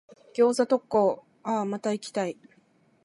餃子特講、あぁ、また行きたい。